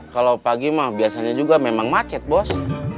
kalau pagi mah biasanya juga memang macet bos